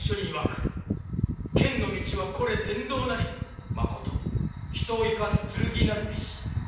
「剣の道はこれ天道なり」「誠人を生かす剣なるべし」